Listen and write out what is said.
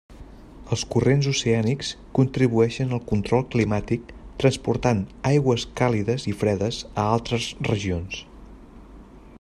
Els corrents oceànics contribueixen al control climàtic transportant aigües càlides i fredes a altres regions.